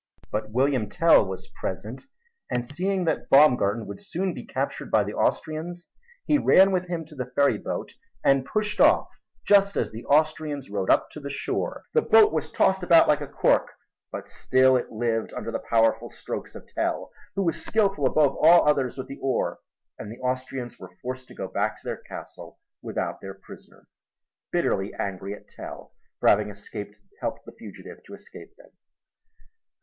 But William Tell was present, and seeing that Baumgarten would soon be captured by the Austrians he ran with him to the ferryboat and pushed off just as the Austrians rode up to the shore. The boat was tossed about like a cork, but still it lived under the powerful strokes of Tell, who was skilful above all others with the oar; and the Austrians were forced to go back to their castle without their prisoner, bitterly angry at Tell for having helped the fugitive to escape them.